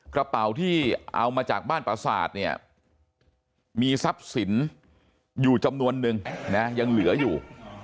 กระเป๋าที่เอามาจากบ้านประสาทเนี่ยมีทรัพย์สินอยู่จำนวนนึงนะยังเหลืออยู่